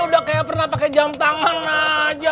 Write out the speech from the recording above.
udah kayak pernah pakai jam tangan aja